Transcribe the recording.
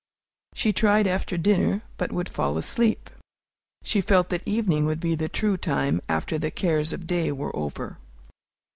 She tried after dinner, but would fall asleep. She felt that evening would be the true time, after the cares of day were over.